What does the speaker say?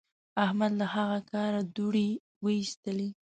احمد له هغه کاره دوړې واېستلې.